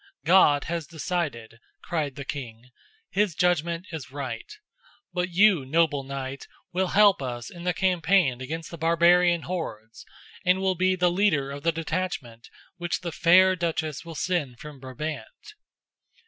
"God has decided," cried the king. "His judgment is right; but you, noble knight, will help us in the campaign against the barbarian hordes and will be the leader of the detachment which the fair duchess will send from Brabant."